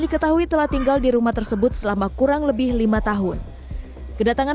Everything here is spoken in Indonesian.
diketahui telah tinggal di rumah tersebut selama kurang lebih lima tahun kedatangan